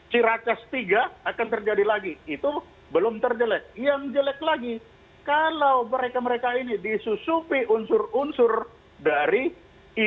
cirakas tiga akan terjadi lagi itu belum terjelek yang jelek lagi kalau mereka mereka ini disusupi unsur unsur dari ideologi